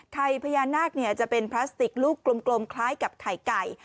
พญานาคจะเป็นพลาสติกลูกกลมคล้ายกับไข่ไก่